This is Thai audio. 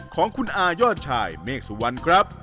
ของคุณอายอดชายเมฆสุวรรณครับ